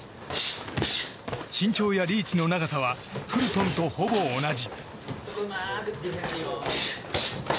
身長やリーチの長さはフルトンとほぼ同じ。